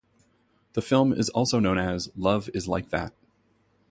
The film is also known as "Love Is Like That".